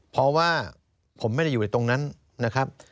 เพราะว่าผมไม่ได้อยู่ตรงนั้นนะครับ